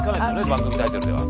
番組タイトルでは。